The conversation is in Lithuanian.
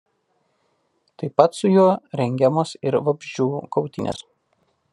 Taip pat su juo rengiamos ir vabzdžių kautynės.